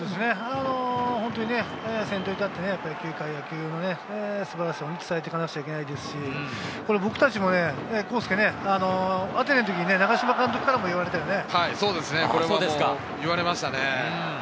本当に先頭に立って、球界、野球の素晴らしさを伝えていかなきゃいけないですし、孝介ね、アテネの時、長嶋監督からも言われましたね。